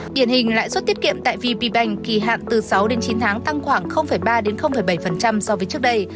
điển hình lãi suất tiết kiệm tại vp banh kỳ hạn từ sáu đến chín tháng tăng khoảng ba bảy so với trước đây